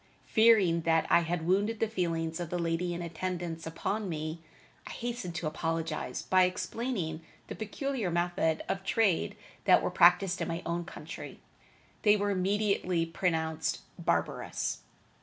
Fearing that I had wounded the feelings of the lady in attendance upon me, I hastened to apologize by explaining the peculiar methods of trade that were practiced in my own country. They were immediately pronounced barbarous.